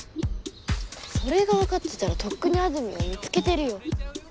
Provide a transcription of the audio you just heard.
それがわかってたらとっくにあどミンを見つけてるよ。